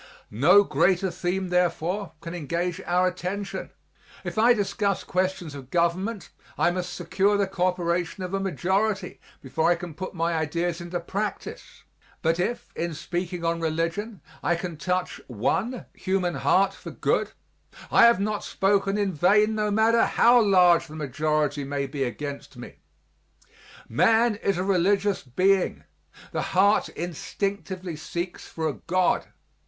No greater theme, therefore, can engage our attention. If I discuss questions of government I must secure the coöperation of a majority before I can put my ideas into practise, but if, in speaking on religion, I can touch one human heart for good, I have not spoken in vain no matter how large the majority may be against me. Man is a religious being; the heart instinctively seeks for a God.